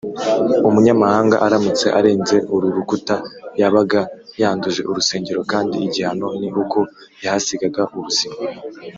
. Umunyamahanga aramutse arenze uru rukuta, yabaga yanduje urusengero, kandi igihano ni uko yahasigaga ubuzima